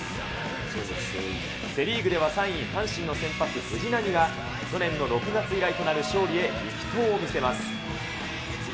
セ・リーグでは３位阪神の先発、藤浪が、６月以来となる勝利へ、力投を見せます。